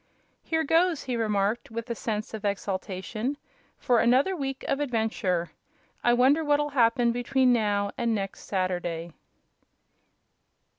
"Here goes," he remarked, with a sense of exaltation, "for another week of adventure! I wonder what'll happen between now and next Saturday."